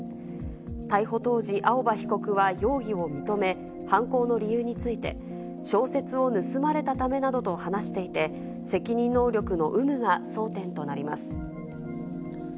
逮捕当時、青葉被告は容疑を認め、犯行の理由について、小説を盗まれたためなどと話していて、責任能力の有無が争点となります。